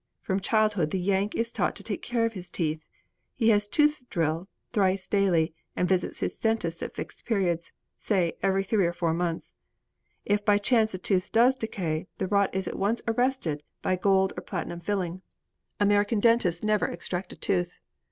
From childhood the 'Yank' is taught to take care of his teeth. He has 'tooth drill' thrice daily and visits his dentist at fixed periods, say, every three or four months. If by chance a tooth does decay, the rot is at once arrested by gold or platinum filling. American dentists never extract a tooth.